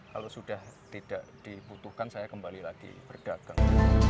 kalau sudah tidak dibutuhkan saya kembali lagi berdagang